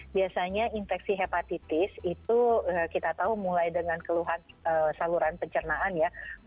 biasanya infeksi hepatitis itu kita tahu mulai dengan keluhan saluran pencernaan ya